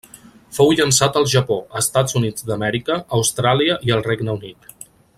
Fou llançat al Japó, Estats Units d'Amèrica, Austràlia i el Regne Unit.